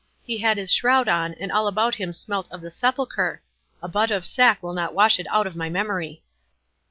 He had his shroud on, and all about him smelt of the sepulchre—A butt of sack will not wash it out of my memory."